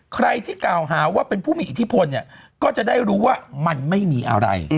ใครที่กล่าวหาว่าเป็นผู้มีอิทธิพลเนี่ยก็จะได้รู้ว่ามันไม่มีอะไร